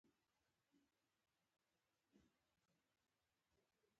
زموږ تاریخي وطن د ګرځندوی لپاره غوره فرصتونه لري.